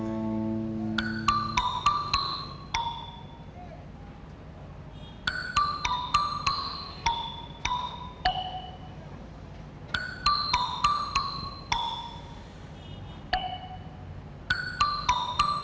kamu siang ini sibuk gak